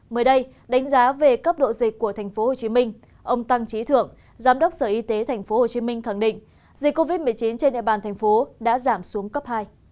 mới đây đánh giá về cấp độ dịch của tp hcm ông tăng trí thượng giám đốc sở y tế tp hcm khẳng định dịch covid một mươi chín trên địa bàn thành phố đã giảm xuống cấp hai